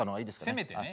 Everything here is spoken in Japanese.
せめてね。